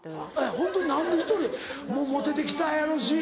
ホントに何で１人もうモテてきたやろうし。